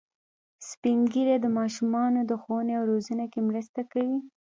سپین ږیری د ماشومانو د ښوونې او روزنې کې مرسته کوي